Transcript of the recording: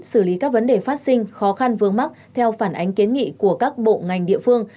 xử lý các vấn đề phát sinh khó khăn vướng mắc theo phản ánh kiến nghị của các bộ ngành địa phương